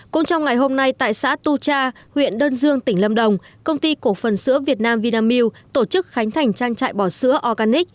cũng trong ngày hôm nay tại xã tu cha huyện đơn dương tỉnh lâm đồng công ty cổ phần sữa việt nam vinamilk tổ chức khánh thành trang trại bò sữa organic